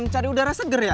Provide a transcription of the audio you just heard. cari udara segar ya